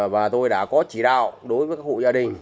và tôi đã có chỉ đạo đối với các hộ gia đình